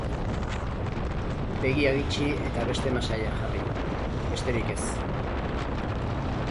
Begiak itxi eta beste masaila jarri, besterik ez.